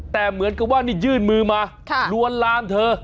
แต่เหมือนกับว่านี่ยื่นมือมาลวนลามเธอ